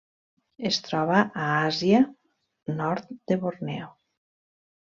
Es troba a Àsia: nord de Borneo.